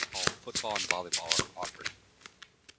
In fall, football and volleyball are offered.